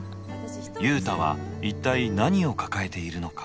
雄太は一体何を抱えているのか。